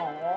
oh ini dong